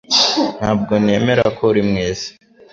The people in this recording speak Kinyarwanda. Ntabwo nemera ko uri mwiza